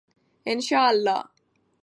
انشاءالله.